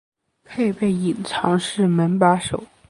配备隐藏式门把手